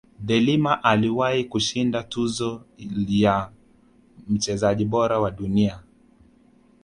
delima aliwahi kushinda tuzo ya mchezaji bora wa dunia